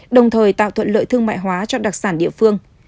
đồng thời tạo thuận lợi thương mại hóa cho đặc sản địa phương